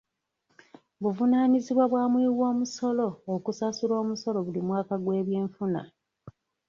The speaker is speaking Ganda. Buvunaanyizibwa bwa muwiwamusolo okusasula omusolo buli mwaka gw'ebyenfuna.